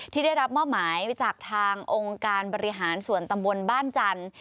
ที่ได้รับมอบหมายจากทางองค์การบริหารส่วนตำบลบ้านจันทร์